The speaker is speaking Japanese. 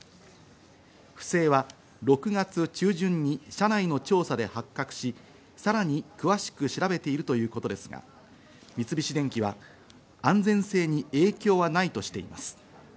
不正は６月中旬に社内の調査で発覚し、さらに詳しく調べているということですが、三菱電機は安全性に影響はないとしています。